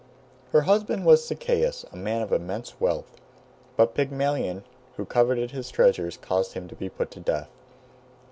Her husband was Sichaeus, a man of immense wealth, but Pygmalion, who coveted his treasures, caused him to be put to death.